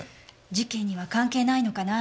事件には関係ないのかな。